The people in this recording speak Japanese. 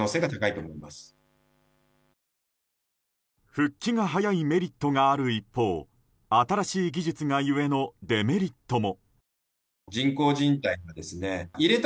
復帰が早いメリットがある一方新しい技術がゆえのデメリットも。